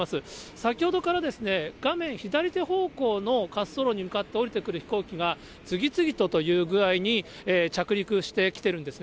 先ほどから、画面左手方向の滑走路に向かっておりてくる飛行機が次々とという具合に着陸してきてるんですね。